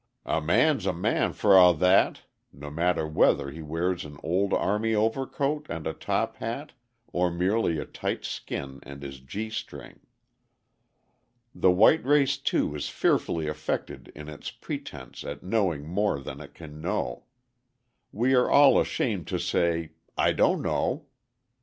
"A man's a man for a' that," no matter whether he wears an old army overcoat and a top hat or merely a tight skin and his gee string. The white race, too, is fearfully affected in its pretense at knowing more than it can know. We are all ashamed to say, "I don't know!"